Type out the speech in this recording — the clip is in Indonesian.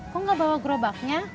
kok gak bawa gerobaknya